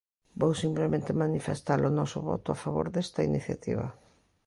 Vou simplemente manifestar o noso voto a favor desta iniciativa.